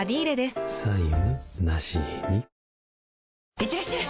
いってらっしゃい！